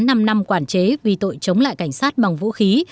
hết án năm năm quản chế vì tội chống lại cảnh sát bằng vũ khí